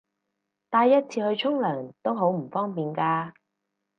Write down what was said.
帶一次去沖涼都好唔方便㗎